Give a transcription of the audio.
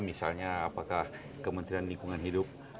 misalnya apakah kementerian lingkungan hidup